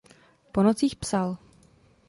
Po nocích psal.